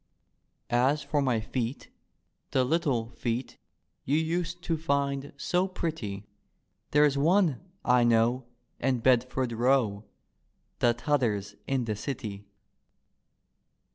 As for my feet, the little feet You used to find so pretty. There's one, I know, in Bedford Row, The T'other's in the City.